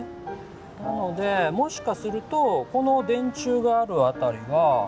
なのでもしかするとこの電柱がある辺りは。